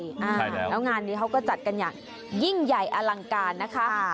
แล้วงานนี้เขาก็จัดกันอย่างยิ่งใหญ่อลังการนะคะ